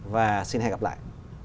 và xin hẹn gặp lại